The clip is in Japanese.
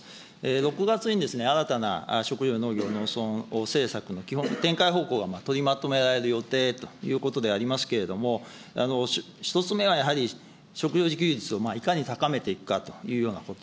６月に新たな食料・農業・農村政策の基本、展開方向が取りまとめられる予定ということでありますけれども、１つ目はやはり食料自給率をいかに高めていくかというようなこと。